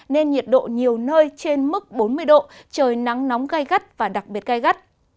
nên nhiệt độ nhiều nơi trên mức bốn mươi độ trời nắng nóng gai gắt và đặc biệt gai gắt